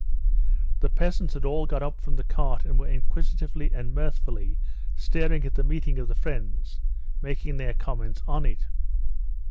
The peasants had all got up from the cart and were inquisitively and mirthfully staring at the meeting of the friends, making their comments on it.